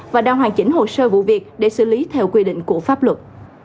và đang hoàn chỉnh hồ sơ vụ việc để xử lý theo quy định của pháp luật